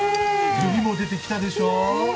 照りも出てきたでしょう。